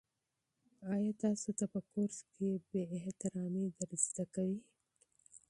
آیا تاسو ته په کورس کې بې احترامي در زده کوي؟